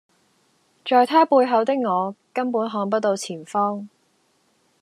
在他背後的我根本看不到前方